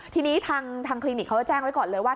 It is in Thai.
ทีนี้ทางคลินิกเขาจะแจ้งไว้ก่อนเลยว่า